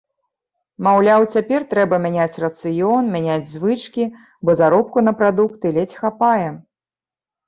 Маўляў, цяпер трэба мяняць рацыён, мяняць звычкі, бо заробку на прадукты ледзь хапае.